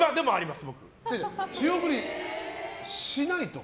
仕送りしないと？